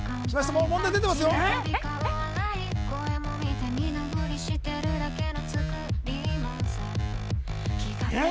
もう問題出てますよえっ！？